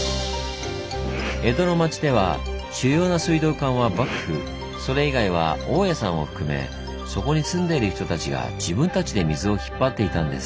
江戸の町では主要な水道管は幕府それ以外は大家さんを含めそこに住んでいる人たちが自分たちで水を引っ張っていたんです。